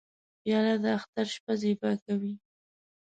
پیاله د اختر شپه زیبا کوي.